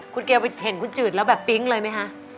คุณเกลไปเห็นคุณจืดแล้วแบบปิ๊งเลยไหมคะ